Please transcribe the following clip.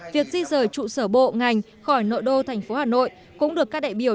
việc di rời trụ sở bộ ngành khỏi nội đô thành phố hà nội cũng được các đại biểu